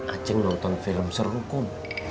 acing nonton film seru kum